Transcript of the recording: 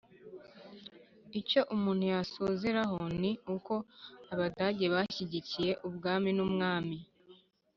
Icyo umuntu yasozerezaho ni uko Abadage bashyigikiye ubwami n'umwami,